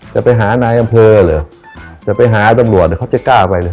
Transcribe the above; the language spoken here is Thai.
จะไปหานายอำเภอหรือจะไปหาดำรวจหรือเขาจะกล้าไปหรือ